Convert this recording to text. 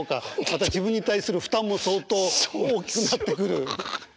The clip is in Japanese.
また自分に対する負担も相当大きくなってくる。